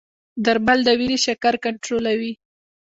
درمل د وینې شکر کنټرولوي.